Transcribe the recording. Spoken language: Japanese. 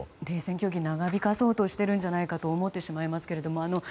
停戦協議を長引かそうとしているんじゃないかと思ってしまいますけども。